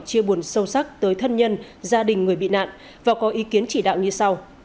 chia buồn sâu sắc tới thân nhân gia đình người bị nạn và có ý kiến chỉ đạo như sau